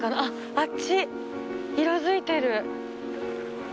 あっあっち色づいてる。